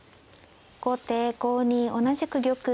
後手５二同じく玉。